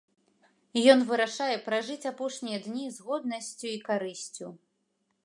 Ён вырашае пражыць апошнія дні з годнасцю і карысцю.